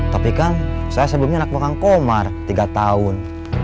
tapi kan saya sebelumnya anak pegang komar tiga tahun